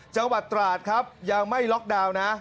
จังหวัดตราดครับยังไม่ล็อกดาวน์นะ